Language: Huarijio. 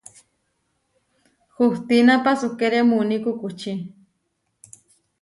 Hustína pasúkere muní kukučí.